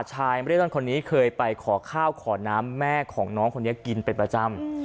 ไม่ได้ร่อนคนนี้เคยไปขอข้าวขอน้ำแม่ของน้องคนนี้กินเป็นประจำ